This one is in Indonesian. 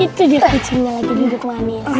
itu dia kucingnya lagi bibit manis